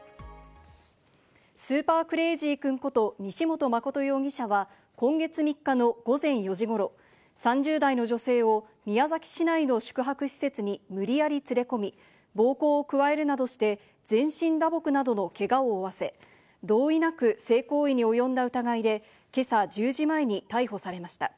スーパークレイジー君こと西本誠容疑者は今月３日の午前４時ごろ、３０代の女性を宮崎市内の宿泊施設に無理やり連れ込み、暴行を加えるなどして全身打撲などのけがを負わせ、同意なく性行為に及んだ疑いで今朝１０時前に逮捕されました。